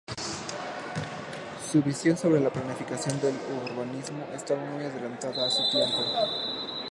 Su visión sobre la planificación del urbanismo estaba muy adelantada a su tiempo.